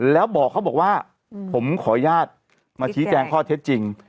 แล้วบอกเขาบอกว่าผมขออนุญาตมาชี้แจงข้อเท็จจริง